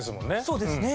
そうですね。